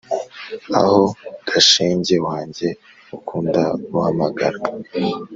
aho ga shenge wanjye ukunda guhamagara.’